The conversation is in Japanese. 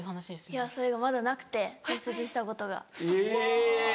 いやそれがまだなくて骨折したことが。え！